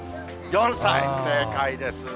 ４歳、正解です。